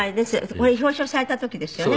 これ表彰された時ですよね？